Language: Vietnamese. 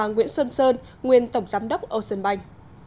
nguyễn xuân sơn nguyên tổng giám đốc ocean bank